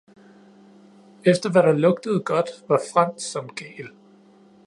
Efter hvad der lugtede godt var Franz som gal.